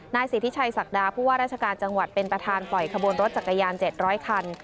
สิทธิชัยศักดาผู้ว่าราชการจังหวัดเป็นประธานปล่อยขบวนรถจักรยาน๗๐๐คัน